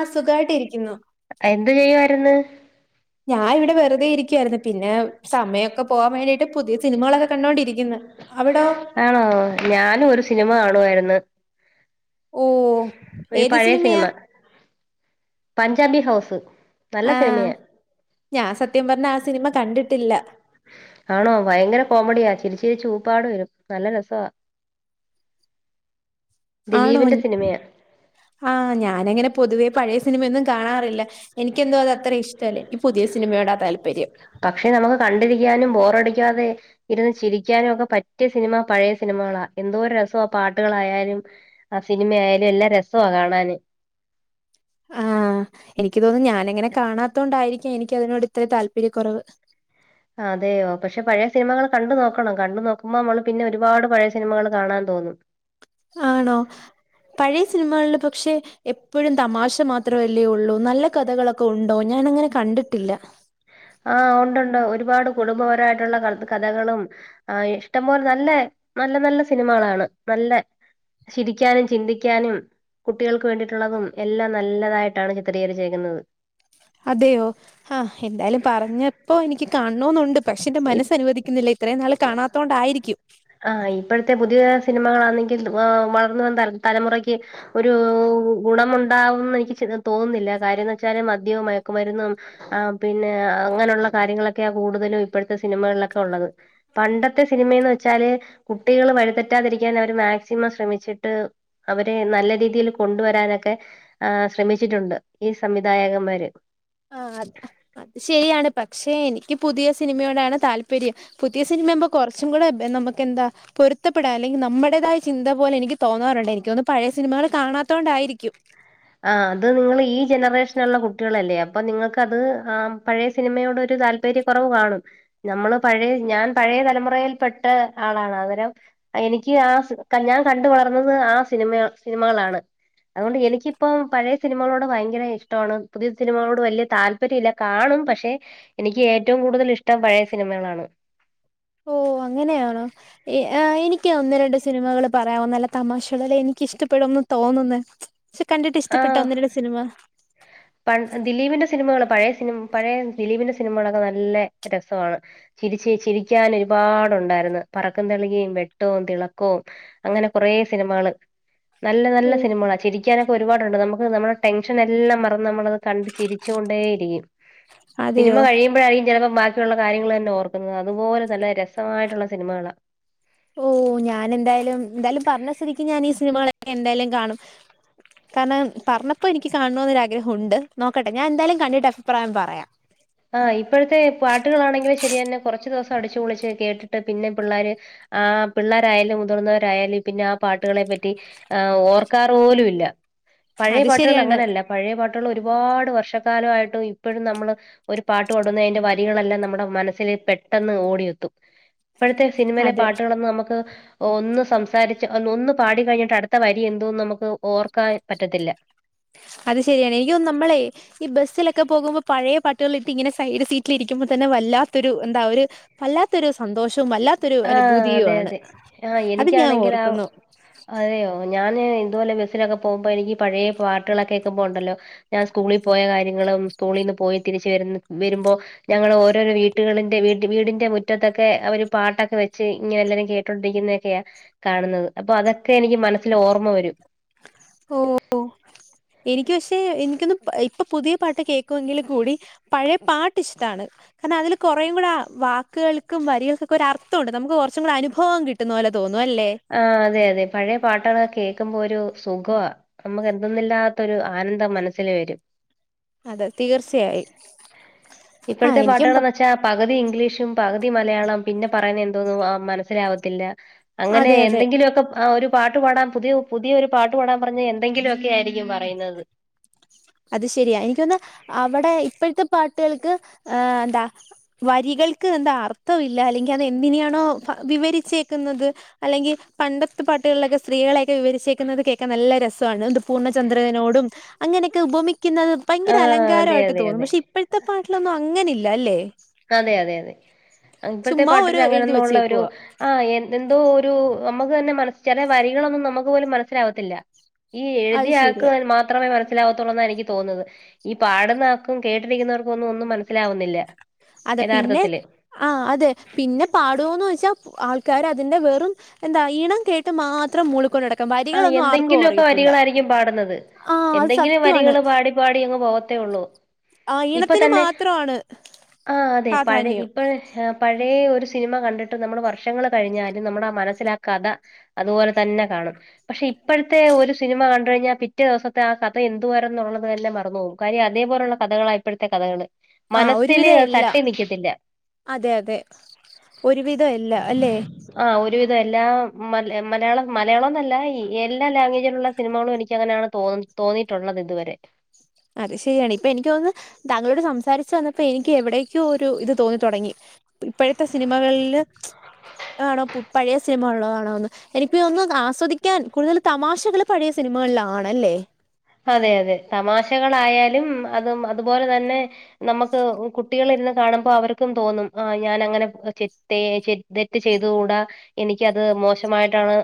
ആ സുഖായിട്ടിരിക്കുന്നു. എന്ത് ചെയ്യുവായിര്ന്ന് ഞാൻ ഇവിടെ വെറുതെ ഇരിക്കുവായിരുന്നു. പിന്നെ സമയമൊക്കെ പോവാൻ വേണ്ടിട്ട് പുതിയ സിനിമകളൊക്കെ കണ്ടോണ്ടിരിക്കുന്ന്. അവിടോ? ആണോ ഞാനും ഒരു സിനിമ കാണുവായിരുന്ന്. ഓഹ് ഒരു ഏത് പഴേ സിനിമയാ? സിനിമ പഞ്ചാബി ഹൗസ് നല്ല ആഹ് സിനിമയാ ഞാൻ സത്യം പറഞ്ഞ ആ സിനിമ കണ്ടിട്ടില്ല ആണോ? ഭയങ്കര കോമഡിയാ ചിരിച്ചിരിച് ഊപ്പാട് വരും നല്ല രസവാ ആണോ? ദിലീപിന്റെ സിനിമയാ ആഹ് ഞാനങ്ങനെ പൊതുവേ പഴയ സിനിമയൊന്നും കാണാറില്ല എനിക്കെന്തോ അത് അത്ര ഇഷ്ടല്ല. ഇനിക് പുതിയ സിനിമയോട ആ താല്പര്യം പക്ഷെ നമുക്ക് കണ്ടിരിക്കാനും ബോറടിക്കാതെ ഇരുന്ന് ചിരിക്കാനും ഒക്കെ പറ്റിയ സിനിമ പഴയ സിനിമകളാ എന്തോരു രസാ പാട്ടുകളായാലും ആ സിനിമയാലും എല്ലാം രസവാ കാണാന് ആഹ് എനിക്ക് തോന്നുന്നു ഞാനിങ്ങനെ കാണാത്ത കൊണ്ടായിരിക്കാം. എനിക്ക് അതിനോട് ഇത്ര താല്പര്യക്കുറവ് അതെയോ? പക്ഷെ പഴയ സിനിമകൾ കണ്ടു നോക്കണം. കണ്ടു നോക്കുമ്പോ നമ്മൾ പിന്നെ ഒരുപാട് പഴയ സിനിമകൾ കാണാൻ തോന്നും. ആണോ പഴയ സിനിമകളിൽ പക്ഷെ എപ്പോഴും തമാശ മാത്രമല്ലേ ഉള്ളൂ? നല്ല കഥകളൊക്കെ ഉണ്ടോ? ഞാൻ അങ്ങനെ കണ്ടിട്ടില്ല. ആഹ് ഉണ്ട് ഉണ്ട് ഒരുപാട് കുടുംബപരമായിട്ടുള്ള കത് കഥകളും ആ ഇഷ്ടം പോലെ നല്ല നല്ല നല്ല സിനിമകളാണ് നല്ല ചിരിക്കാനും, ചിന്തിക്കാനും, കുട്ടികൾക്ക് വേണ്ടിയിട്ടുള്ളതും, എല്ലാം നല്ലതായിട്ടാണ് ചിത്രീകരി ചെക്കുന്നത്. അതെയോ? ആഹ് എന്തായാലും പറഞ്ഞപ്പോ എനിക്ക് കാണണോന്നുണ്ട്. പക്ഷെ എന്റെ മനസ്സ ഇ അനുവദിക്ക കിനില്ല ഇത്രയും നാള് കാണാതോണ്ടായിരിക്കും. ആ ഇപ്പോഴത്തെ പുതിയാ സിനിമകളാണെങ്കിൽ വളർന്നു വന്ന തലമുറയ്ക്ക് ഒരു ഗുണംമുണ്ടാവുംന്ന് എനിക്ക് തോന്നുന്നില്ല. കാര്യംന്ന് വെച്ചാല് മദ്യവും, മയക്കുമരുന്നും. ആ പിന്നെ അങ്ങനെയുള്ള കാര്യങ്ങളൊക്കെയാ കൂടുതലും ഇപ്പോഴത്തെ സിനിമകളിലൊക്കെ ഉള്ളത്. പണ്ടത്തെ സിനിമയന്ന് വെച്ചാല് കുട്ടികള് വഴിതെറ്റാതിരിക്കാൻ അവര് മാക്സിമം ശ്രമിച്ചിട്ട് അവരെ നല്ല രീതിയിൽ കൊണ്ടുവരാനൊക്കെ ആ ശ്രമിച്ചിട്ടുണ്ട് ഈ സംവിധായകന്മാര്. ആ അത് അത് ശെരിയാണ്. പക്ഷെ എനിക്ക് പുതിയ സിനിമയോടാണ് താല്പര്യം. പുതിയ സിനിമവുമ്പ കുറച്ചും കൂടെ നമുക്കന്താ പൊരുത്തപ്പെടാൻ അല്ലെങ്കിൽ നമ്മുടേതായ ചിന്ത പോലെ എനിക്ക് തോന്നാറുണ്ട് എനിക്ക് ഒന്ന് പഴയ സിനിമകൾ കാണാതോണ്ടായിരിക്കും ആ അത് നിങ്ങള് ഈ ജനറേഷനുള്ള കുട്ടികളല്ലേ? അപ്പൊ നിങ്ങൾക്ക് അത് ആ പഴയ സിനിമയോട് ഒരു താല്പര്യം താല്പര്യ കുറവ് കാണും നമ്മള് പഴയ ഞാൻ പഴയ തലമുറയിൽ പെട്ട ആളാണ് അന്നേരം എനിക്ക് ആ ഞാൻ കണ്ട വളർന്നത് ആ സിനിമ സിനിമകളാണ് അതുകൊണ്ട് എനിക്ക് ഇപ്പം പഴയ സിനിമകളോട് ഭയങ്കര ഇഷ്ടമാണ് പുതിയ സിനിമകളോട് വലിയ താല്പര്യം ഇല്ല കാണും പക്ഷെ എനിക്ക് ഏറ്റവും കൂടുതൽ ഇഷ്ടം പഴയ സിനിമകളാണ് ഓ അങ്ങനെയാണോ എനിക്ക് ഒന്ന് രണ്ട് സിനിമകള് പറയാവോ നല്ല തമാശയുള്ള എനിക്ക് ഇഷ്ടപ്പെടുംന്ന് തോന്നുന്ന പക്ഷെ കണ്ടിട്ട് ഇഷ്ടപ്പെട്ട ആഹ് ഒന്ന് രണ്ട് സിനിമ പ ദിലീപിന്റെ സിനിമകള് പഴയ സിനിമ പഴയ ദിലീപിന്റെ സിനിമകളൊക്കെ നല്ല രസമാണ് ചിരിച്ച് ചിരിക്കാൻ ഒരുപാടുണ്ടായിരുന്നു. പറക്കും തളികയും, വെട്ടവും, തിളക്കവും, അങ്ങനെ കൊറെ സിനിമകള് നല്ല നല്ല ഓ സിനിമകളാണ് ചിരിക്കാനൊക്കെ ഒരുപാടുണ്ട് നമുക്ക് നമ്മുടെ ടെൻഷൻ എല്ലാം മറ നമ്മളത് കണ്ട ചിരിച്ചൊണ്ടേ ഇരിക്കും സിനിമ അതെയോ കഴിയുമ്പോഴായിരിക്കും ചെലപ്പോ ള്ള കാര്യങ്ങൾ തന്നെ ഓർക്കുന്നത് അതുപോലെ നല്ല രസമായിട്ടുള്ള സിനിമകളാണ് ഓ ഞാൻ എന്തായാലും എന്തായാലും പറഞ്ഞ സ്ഥിതിക്ക് ഞാൻ ഈ സിനിമകളൊക്കെ എന്തായാലും കാണും കാരണം പറഞ്ഞപ്പോൾ എനിക്ക് കാണണോന്നൊരു ആഗ്രഹം ഉണ്ട് നോക്കട്ടെ ഞാൻ എന്തായാലും കണ്ടിട്ട് അഭിപ്രായം പറയാം ആ ഇപ്പഴത്തെ പാട്ട്കളാണെങ്കിലും ശരിയെന്നെ കൊറച്ച് ദിവസം അടിച്ചുപൊളിച്ച് കേട്ടിട്ട് പിന്നെ പിള്ളാര് ആ പിള്ളാരായാലും മുതിർന്നവരായാലും പിന്നെ ആ പാട്ട്കളെ പറ്റി ആഹ് ഓർക്കാറ് പോലും ഇല്ല പഴേ അത് പാട്ടുകൾ ശരിയാണ് അങ്ങനെല്ല പഴേ പാട്ടുകൾ ഒരുപാട് വർഷക്കാലയിട്ട് ഇപ്പഴും നമ്മള് ഒരു പാട്ട് പാടുന്ന അതിന്റെ വരികളെല്ലാം നമ്മുടെ മനസ്സില് പെട്ടെന്ന് ഓടിയെത്തും ഇപ്പഴത്തെ സിനിമയിലെ അതെ പാട്ടുകളൊന്നും നമക്ക് ഒന്ന് സംസാരിച്ച് ഒന്ന് പാടി കഴിഞ്ഞിട്ട് അടുത്ത വരി എന്തുവന്ന് നമുക്ക് ഓർക്കാൻ പറ്റത്തില്ല. അത് ശരിയാണ് എനിക്കൊന്നു നമ്മളെയ് ഈ ബെസ്സിലൊക്കെ പോകുമ്പോ പയേ പാട്ടുകളിട്ട് ഇങ്ങനെ സൈഡ് സീറ്റില് ഇരിക്കുമ്പോ തന്നെ വല്ലാത്തൊരു എന്താ ഒര് വല്ലാത്തൊരു സന്തോഷും വല്ലാത്തൊരു ആഹ് അനുഭൂതിയു അതെ ആണ് അതെ ആഹ് അത് ഞാ എനിക്കാണെങ്കിൽ ആ ഓർക്കുന്നു. അതെയോ ഞാന് ഇതുപോലെ ബെസ്സിലൊക്കെ പോകുമ്പോ എനിക്കി പയേ പാട്ടുകളൊക്കെ കേക്കുമ്പണ്ടല്ലോ ഞാൻ സ്കൂളിൽ പോയ കാര്യങ്ങളും സ്കൂളീന്ന് പോയി തിരിച്ച് വരു വരുമ്പോ ഞങ്ങള് ഓരോരോ വീട്ട്കളിന്റെ വീട് വീടിന്റെ മുറ്റത്തൊക്കെ അവര് പാട്ടൊക്കെ വെച്ച് ഇങ്ങനെ എല്ലരേം കേട്ടോണ്ടിരിക്കുന്നതൊക്കെയാ കാണുന്നത് അപ്പൊ അതൊക്കെ എനിക്ക് മനസ്സിൽ ഓർമ്മ വരും. ഓഹ് എനിക്ക് പക്ഷെ എനിക്കൊന്ന് ഇപ്പൊ പുതിയ പാട്ട് കേക്കുമെങ്കിലു കൂടി പഴേ പാട്ട് ഇഷ്ട്ടാണ് കാരണം അതില് കൊറെയും കൂടെ ആ വാക്ക്‌കൾക്കും വരികൾക്കൊക്കെ ഒരു അർത്ഥവുണ്ട് നമുക്ക് കൊറച്ചും കൂടെ അനുഭവം കി ട്ടുന്നത് പോലെ തോന്നുവല്ലേ ആ അതെ അതെ പഴയ പാട്ടുകള കേൾക്കുമ്പോ ഒരു സുഖമാ അമ്മക്ക് എന്തന്നില്ലാത്തൊരു ആനന്ദം മനസ്സില് വരും. അതെ തീർച്ചയായും, ആഹ് എനിക്കും പ ച്ചാ പകുതി ഇംഗ്ലീഷും പകുതി മലയാളം പിന്നെ പറയുന്ന എന്തോന്നും ആ മനസ്സിലാവത്തില്ല അങ്ങനെ അതെ അതെ എന്തെങ്കിലുവൊക്കെ ആ ഒരു പാട്ട് പാടാൻ പുതിയ പുതിയൊരു പാട്ട് പാടാൻ പറഞ്ഞ എന്തെങ്കിലുമൊക്കെ ആയിരിക്കും പറയുന്നത് അത് ശരിയാ എനിക്കൊന്ന് അവിടെ ഇപ്പഴത്തെ പാട്ട്കൾക്ക് എന്താ വരികൾക്ക് എന്താ അർത്ഥം ഇല്ല അല്ലെങ്കിൽ അതെന്തിനെയാണോ വിവരിച്ചേക്കുന്നത് അല്ലെങ്കിൽ പണ്ടത്തെ പാട്ടുകളിലൊക്കെ സ്ത്രീളെക്കെ വിവരിച്ചേക്കുന്നത് കേക്കാൻ നല്ല രസവാണ് ത് പൂർണ്ണചന്ദ്രനോടും അങ്ങനെക്കെ ഉപമിക്കുന്നത് ആ ഭയങ്കര അതെ അലങ്കാരവായിട്ട് അതെ തോന്നും അതെ പക്ഷെ ഇപ്പഴ് പ്പത്ത പാട്ടിലൊന്നും അങ്ങനെ ഇല്ലല്ലേ? അതെ അതെ അതെ ഇപ്പഴത്തെ പാട്ടില് ഒരു എഴുതി അങ്ങനെന്നുള്ള ഒരു വെച്ചേക്കുവാ ആ എ എന്തോ ഒരു അമ്മക്ക് തന്നെ മനസ്സ് ചെലേ വരികളൊന്നും നമ്മക്ക് പോലും മനസ്സിലാവത്തില്ല. ഈ അത് എഴുതിയാക്ക്‌ ശരിയാ മാത്രമേ മനസ്സിലാവത്തൊള്ളൂന്ന എനിക്ക് തോന്നത് ഈ പാടുന്ന ആക്കും കേട്ടിരിക്കുന്നവർക്കും ഒന്നും ഒന്നും മനസ്സിലാവുന്നില്ല. അതെ പിന്നെ യഥാർത്ഥത്തില് ആഹ് അതെ പിന്നെ പാടുവോന്ന് വെച്ചാ ആൾക്കാര് അതിന്റെ വെറും എന്താ ഈണം കേട്ട് മാത്രം മൂളിക്കൊണ്ട്ടക്ക ആഹ് എന്തെങ്കിലുവൊക്കെ വരികളായിരിക്കും പാടുന്നത് ആ അത് എന്തെങ്കിലും സത്യമാണ് വരികള് പാടി പാടി അങ്ങ് പോകത്തേ ഉള്ളൂ ആ ഈണത്തിന് മാത്രവാണ് ആഹ് അതെ പഴേ ഇപ്പഴ് പഴേ ഒരു സിനിമ കണ്ട്ട്ട് നമ്മൾ വർഷങ്ങൾ കഴിഞ്ഞാലും നമ്മുടെ ആ മനസ്സിൽ ആ കഥ അതുപോലെ തന്നെ കാണും പക്ഷെ ഇപ്പഴത്തെ ഒരു സിനിമ കണ്ട് കഴിഞ്ഞാൽ പിറ്റേ ദിവസത്തെ ആ കഥ എന്ത്‌വാരുന്നു ഉള്ളത് എല്ല മറന്നു പോവും കാര്യം അതേപോലുള്ള കഥകളാ ഇപ്പഴത്തെ കഥകള് ആ മനസ്സില് ഒരുവിധം എല്ലാം തട്ടി നിക്കത്തില്ല അതെ അതെ ഒരുവിധം എല്ലാം അല്ലെ? ആഹ് ഒരുവിധം എല്ലാ മ മലയാളം മലയാളംന്നല്ല എല്ലാ ലാംഗ്വേജിലുള്ള സിനിമകളും എനിക്ക് അങ്ങനെയാണ് തോന്ന തോന്നിറ്റുള്ളത് ഇതുവരെ അത് ശരിയാണ് ഇപ്പം എനിക്ക് തോന്നുന്ന് താങ്കളോട് സംസാരിച്ചു വന്നപ്പോ എനിക്ക് എവിടേക്കെയോ ഒരു ഇത് തോന്നി തൊടങ്ങി ഇപ്പഴത്തെ സിനിമകളില് ആണോ പു പഴേ സിനിമകൾ ഇള്ളാതാണോന്ന് എനിക്ക് ഒന്നു ആസ്വദിക്കാൻ കൂടുതല് തമാശകള് പഴയ സിനിമകളിലാണല്ലേ അതെ അതെ തമാശകളായാലും അതും അതുപോലെ തന്നെ നമുക്ക് കുട്ടികള് ഇരുന്ന് കാണുമ്പോ അവരിക്കും തോന്നും ആ ഞാൻ അങ്ങനെ ചെ തേ ച് തെറ്റ് ചെയ്തുകൂടാ എനിക്കത് മോശമായിട്ടാണ്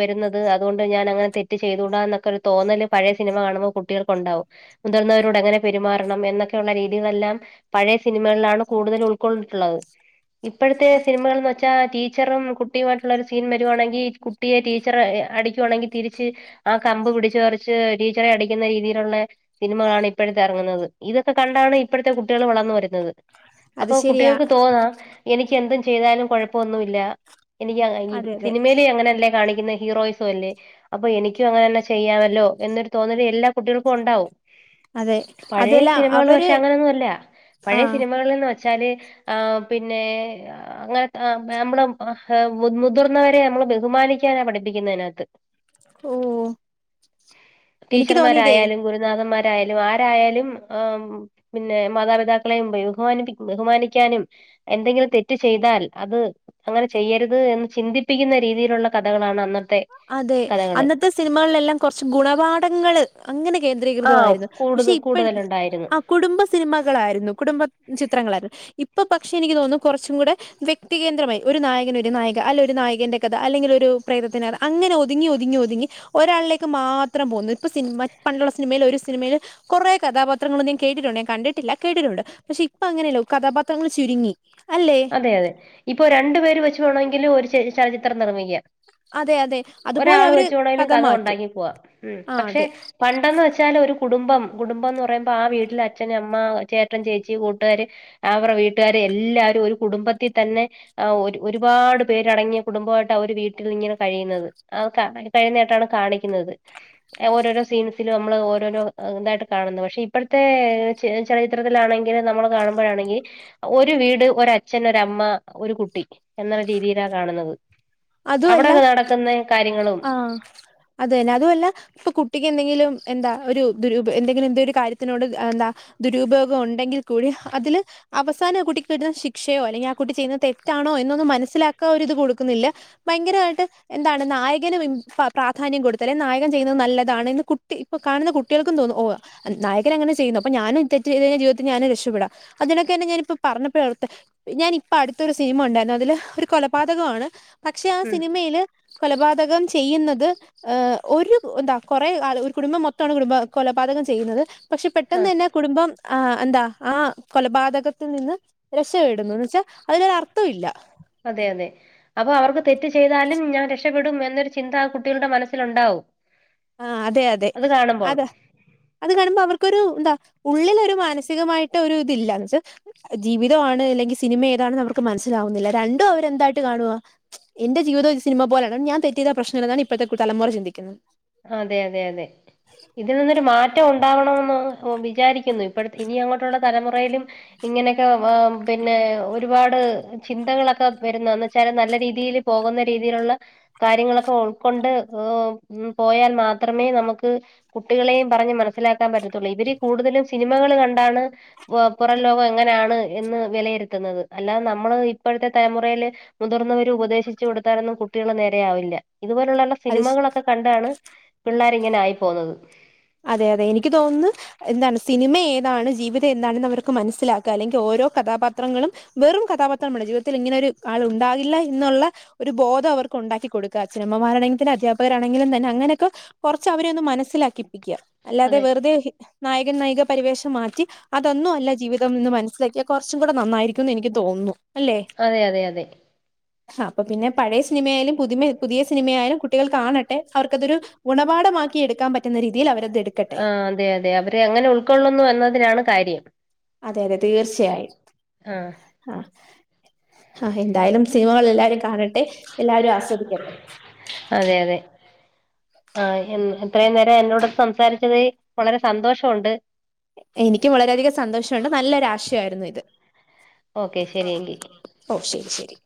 വരുന്നത് അതുകൊണ്ട് ഞാൻ അങ്ങനെ തെറ്റ് ചെയ്തുകൂടാ എന്നൊക്കെ ഒരു തോന്നല് പഴേ സിനിമ കാണുമ്പോൾ കുട്ടികൾക്ക് ഒണ്ടാവും മുതിർന്നവരോട് അങ്ങനെ പെരുമാറണം എന്നൊക്കെ ഉള്ള രീതികളെല്ലാം പഴയ സിനിമകളിലാണ് കൂടുതൽ ഉൾക്കൊണ്ടിട്ടുള്ളത് ഇപ്പോഴത്തെ സിനിമകള്ന്ന് ച്ചാ ടീച്ചറും കുട്ടിയുമായിട്ടുള്ള ഒരു സീൻ വരുവാണെങ്കി കുട്ടിയെ ടീച്ചർ അടിക്കു ആണെങ്കി തിരിച്ച് ആ കമ്പ് പിടിച്ചു പറിച്ച് ടീച്ചറെ അടിക്കുന്ന രീതിലൊള്ളെ സിനിമകളാണ് ഇപ്പോഴത്തെ എറങ്ങുന്നത് ഇതൊക്കെ കണ്ടാണ് ഇപ്പഴത്തെ കുട്ടികള് വളർന്നു വരുന്നത് അത് അപ്പൊ ശരിയാ കുട്ടികൾക്ക് തോന്നാം എനിക്ക് എന്തും ചെയ്താലും കൊഴപ്പ ഒന്നുമില്ല എനിക്ക് അങ്ങ ഈ അതെ അതെ സിനിമേല് അങ്ങനെല്ലേ കാണിക്കുന്നേ ഹീറോസ് തുവല്ലേ അപ്പൊ എനിക്കും അങ്ങനന്നെ ചെയ്യാമല്ലോ എന്നൊരു തോന്നല് എല്ലാ കുട്ടികൾക്കും ഒണ്ടാവും അതെ പഴേ അതല്ല സിനിമകള് അവര് പക്ഷെ അങ്ങനൊന്നും അല്ല പഴേ ആഹ് സിനിമകളിന്ന് വച് വെച്ചാല് ആ പിന്നെ അങ്ങനെ അ നമ്മള് അ ഹ് മു മുതിർന്നവരെ നമ്മള് ബഹുമാനിക്കാനാ പഠിപ്പിക്കുന്നേ അതിനകത്ത് ഓ എനിക്ക് തോന്നിയതേ ടീച്ചർമാരായാലും ഗുരുനാഥന്മാരായാലും ആരായാലും ആ പിന്നെ മാതാപിതാക്കളെയും ബഹുമാനിപ്പി ബഹുമാനിക്കാനും എന്തെങ്കിലും തെറ്റ് ചെയ്താൽ അത് അങ്ങനെ ചെയ്യരുത് എന്ന് ചിന്തിപ്പിക്കുന്ന രീതിയിലുള്ള കഥകളാണ് അന്നത്തെ അതെ കഥകള്. അന്നത്തെ സിനിമകളിലെല്ലാം കുറച്ച് ഗുണപാഠങ്ങള് അങ്ങനെ ആഹ് കേന്ദ്രീകൃതമായിരുന്നു പക്ഷെ കൂടുതൽ ഇപ്പഴ് കൂടുതലുണ്ടായിരുന്നു. ആ കുടുംബ സ് സിനിമകളായിരുന്നു കുടുംബ ചിത്രങ്ങളായിരുന്നു ഇപ്പൊ പക്ഷെ എനിക്ക് തോന്നുന്നു കൊറച്ചും കൂടെ വ്യക്തികേന്ദ്രമായി ഒരു നായകന് ഒരു നായിക അല്ല ഒരു നായകന്റെ കഥ അല്ലെങ്കിൽ ഒരു പ്രേതത്തിനെ കഥ അങ്ങനെ ഒതുങ്ങി ഒതുങ്ങി ഒതുങ്ങി ഒരാളിലേക്ക് മാത്രം പോകുന്നു ഇപ്പ സിനിമ പണ്ടുള്ള സിനിമേല് ഒരു സിനിമേല് കൊറേ കഥാപാത്രങ്ങളും നേ കേട്ടിട്ടുണ്ടേ ഞാൻ കണ്ടിട്ടില്ല കേട്ടിട്ടുണ്ട് പക്ഷെ ഇപ്പൊ അങ്ങനെയല്ല കഥാപാത്രങ്ങള് ചുരുങ്ങി അല്ലെ അതെ അതെ ഇപ്പൊ രണ്ടു പേര് വെച്ച് പോണോങ്കിലും ഒരു ചല ചരിത്രം നിർമിക്കാം അതെ അതെ. അതുപോലെ ഒരാള് അവര് വെച്ചുവെണേലും കഥ മാറ്റും. ഒണ്ടാക്കി പോവാം ഉം ആ പക്ഷെ അതെ. പണ്ടെന്ന് വെച്ചാല് ഒരു കുടുംബം കുടുംബം എന്ന് പറയുമ്പോ ആ വീട്ടില് അച്ഛന് അമ്മ ചേട്ടൻ ചേച്ചി കൂട്ട്കാര് അവറെ വീട്ടുകാര് എല്ലാരും ഒരു കുടുംബത്തിതന്നെ ആ ഒരു ഒരുപാട് പേരടങ്ങിയ കുടുംബ ആയിട്ടാ അവര് വീട്ടിലിങ്ങനെ കഴിയുന്നത് ആ കാ കഴിനീട്ടാണ് കാണിക്കുന്നത് ഓരോരോ സീൻസിലും ഞമ്മള് ഓരോരോ ഇതായിട്ട് കാണുന്നു പക്ഷെ ഇപ്പഴത്തെ ചെ ചെലച്ചിത്രത്തിലാണെങ്കില് നമ്മള് കാണുമ്പഴാണെങ്കി ഒരു വീട് ഒര അച്ഛൻ ഒരമ്മ ഒരു കുട്ടി എന്നുള്ള രീതിലാ കാണുന്നത്. അതുവല്ല അവിടെങ്ങ് നടക്കുന്നെ കാര്യങ്ങളും ആ അതന്നെ അതു അല്ല ഇപ്പ കുട്ടിക്ക് എന്തെങ്കിലും എന്താ ഒരു ദുരു ഉപേ എന്തെങ്കിലും എന്തേരു കാര്യത്തിനോട് എന്താ ദുരുപയോഗം ഉണ്ടെങ്കി കൂടി അതില് അവസാനോ കുട്ടിക്ക് കിട്ടുന്ന ശിക്ഷയോ അല്ലെങ്കി ആ കുട്ടി ചെയ്യുന്ന തെറ്റാണോ എന്നൊന്നും മനസ്സിലാക്കാൻ ഒരിത് കൊടുക്കുന്നില്ല ഭയങ്കരായിട്ട് എന്താണ് നായകന് പ്രാ പ്രാധാന്യം കൊടുത്തലേ നായകൻ ചെയ്യുന്നത് നല്ലതാണ് ഇന്ന് കുട്ടി കാണുന്ന കുട്ടികൾക്കും തോന്നും ഓ നായകൻ അങ്ങനെ ചെയ്യുന്നു അപ്പൊ ഞാനും തെറ്റ് ചെയ്തെഴിഞ്ഞ ജീവിതത്തി ഞാന് രക്ഷപ്പെടാം അതിനൊക്കെ തന്നെ ഞാനിപ്പോ പറഞ്ഞപ്പോ ഓർത്തെ ഞാനിപ്പ അടുത്തൊരു സിനിമ ഒണ്ടാരുന്നു അതില് ഒരു കൊലപാതകമാണ് പക്ഷെ ആ ഉം സിനിമയില് കൊലപാതകം ചെയ്യുന്നത് ഏ ഒരു എന്താ കൊറെ ആള് ഒരു കുടുംബം മൊത്താണ് കുടുംബ കൊലപാതകം ചെയ്യുന്നത്. പക്ഷെ ആ പെട്ടെന്ന് തന്നെ കുടുംബം ആ എന്താ ആ കൊലപാതകത്തിൽ നിന്ന് രക്ഷപ്പെടുന്നുന്ന് വെച്ചാ അതിനൊരു ആറ് അതെ അതെ അപ്പൊ അവർക്ക് തെറ്റ് ചെയ്താലും ഞാൻ രക്ഷപ്പെടും എന്നൊരു ചിന്ത ആ കുട്ടികളുടെ മനസ്സിലുണ്ടാവും ആഹ അതെ അതെ അത് കാണുമ്പോൾ അതാ അത് കാണുമ്പോ അവർക്കൊരു എന്താ ഉള്ളിലൊരു മാനസികമായിട്ട് ഒരു ഇതില്ലന്ന് വെച്ചാ ജീവിതമാണ് അല്ലെങ്കിൽ സിനിമ ഏതാണെന്ന് അവർക്ക് മനസ്സിലാവുന്നില്ല. രണ്ടും അവരെന്തായിട്ട് കാണുവാ എന്റെ ജീവിതവും ഒരു സിനിമ പോലാണ് ഞാൻ തെറ്റെയ്താ പ്രശ്നല്ലന്നാണ് ഇപ്പത്തെ തലമുറ ചിന്തിക്കുന്നത്. അതെ അതെ അതെ ഇത് നിന്നൊരു മാറ്റം മാറ്റ ഉണ്ടാവണമെന്ന് വിചാരിക്കുന്നു. ഇപ്പോഴത്തെ ഇനി അങ്ങോട്ടുള്ള തലമുറയിലും ഇങ്ങനെയൊക്കെ ആ പിന്നെ ഒരുപാട് ചിന്തകളൊക്കെ വരുന്നാന്ന് വെച്ചാൽ നല്ല രീതിയിൽ പോകുന്ന രീതിയിലുള്ള കാര്യങ്ങളൊക്കെ ഉൾക്കൊണ്ട് പോയാൽ മാത്രമേ നമുക്ക് കുട്ടികളെയും പറഞ്ഞ് മനസ്സിലാക്കാൻ പറ്റത്തുള്ളൂ ഇവര് കൂടുതലും സിനിമകൾ കണ്ടാണ് പുറം ലോകം എങ്ങനെയാണ് എന്ന് വിലയിരുത്തുന്നത്. അല്ലാതെ നമ്മള് ഇപ്പഴത്തെ തലമുറയില് മുതിർന്നവര് ഉപദേശിച്ചു കൊടുത്താലൊന്നും കുട്ടികൾ നേരെയാവില്ല. ഇതുപോലുള്ള അത് സിനിമകളൊക്കെ കണ്ടാണ് പിള്ളേർ ഇങ്ങനായി പോവുന്നത്. അതെ അതെ എനിക്ക് തോന്നുന്നു എന്താണ് സിനിമ ഏതാണ് ജീവിതം എന്താണന്ന് അവർക്ക് മനസ്സിലാക്ക. അല്ലെങ്കിൽ ഓരോ കഥാപാത്രങ്ങളും വെറും കഥാപാത്രമാണ് ജീവിതത്തിൽ ഇങ്ങനെ ഒരു ആൾ ഉണ്ടാകില്ല എന്നുള്ള ഒരു ബോധം അവർക്കുണ്ടാക്കി കൊടുക. അച്ഛനമ്മമാരാണെങ്കിതന്നെ അധ്യാപകരാണെങ്കിലും തന്നെ അങ്ങനെയൊക്കെ കുറച്ച് അവരൊന്ന് മനസ്സിലാക്കിപ്പിക്ക. അല്ലാതെ അതെ വെറുതെ നായകൻ നായിക പരിവേഷം മാറ്റി അതൊന്നൊല്ല ജീവിതംന്ന് മനസ്സിലാക്കിയാൽ കുറച്ചും കൂടെ നന്നായിരിക്കുംന്ന് എനിക്ക് തോന്നുന്നു. അല്ലേ? അതെ അതെ അതെ അപ്പൊ പിന്നെ പഴയ സിനിമയാലും പുതി പുതിയ സിനിമയായാലും കുട്ടികൾ കാണട്ടെ അവർക്കതൊരു ഗുണപാഠമാക്കി എടുക്കാൻ പറ്റുന്ന രീതി ൽ അവരത്ടുക്കട്ടെ ആ അതെ അതെ അവര് എ ങ്ങനെ ഉൾക്കൊള്ളുന്നു എന്നതിനാണ് കാര്യം. അതെ അതെ തീർച്ചയായും ആ ആ ആ എന്തായാലും സിനിമകൾ എല്ലാരും കാണട്ടെ എല്ലാരും ആസ്വദിക്കട്ടെ. അതെ അതെ ആ ഇത്രയും നേരം എന്നോട് സംസാരിച്ചത് വളരെ സന്തോഷമു ണ്ട്. എനിക്കും വളരെയധികം സന്തോഷമുണ്ട് നല്ലൊരാശയമായിരുന്നു ഇത് ഓക്കെ ശരിയെങ്കിൽ ഓ ശരി ശരി